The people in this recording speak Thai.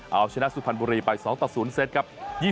เอาชนะสุภัณฑ์บุรีไป๒๐เสร็จครับ